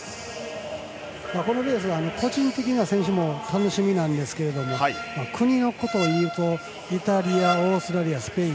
このレース選手も楽しみなんですが国のことを言うとイタリアオーストラリア、スペイン。